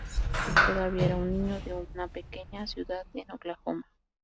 Todavía era un niño de una pequeña ciudad de Oklahoma.